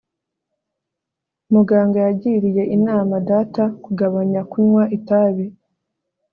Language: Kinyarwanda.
muganga yagiriye inama data kugabanya kunywa itabi